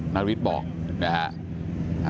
นาริสบอกนะฮะ